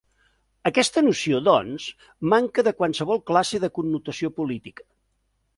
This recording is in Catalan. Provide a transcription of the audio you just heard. Aquesta noció, doncs, manca de qualsevol classe de connotació política.